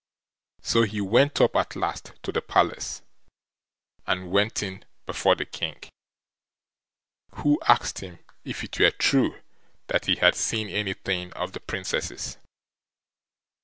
So he went up at last to the Palace and went in before the King, who asked him if it were true that he had seen anything of the Princesses.